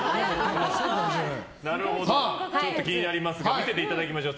気になりますが見せていただきましょう。